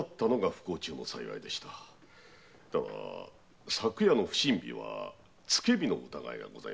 ただ昨夜の不審火はつけ火の疑いがございます。